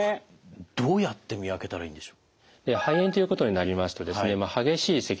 どうやって見分けたらいいんでしょう？